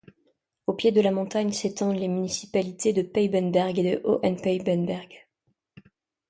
Au pied de la montagne s'étendent les municipalités de Peißenberg et de Hohenpeißenberg.